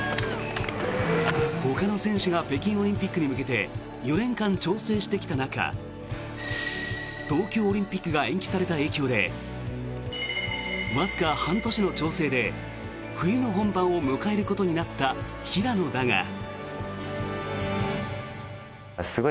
ほかの選手が北京オリンピックに向けて４年間調整してきた中東京オリンピックが延期された影響でわずか半年の調整で冬の本番を迎えることになった平野だが。